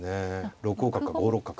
６五角か５六角。